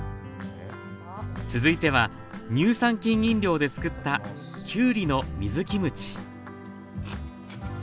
続いては乳酸菌飲料でつくったきゅうりの水キムチ